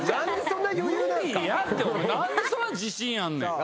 何でそんな自信あんねん。